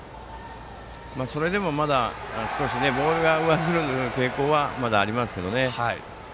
それでも少しボールが上ずる傾向はまだありますけどね。